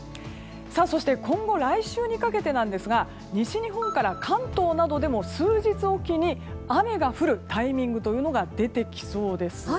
そして今後来週にかけてなんですが西日本から関東などでも数日おきに雨が降るタイミングが出てきそうです。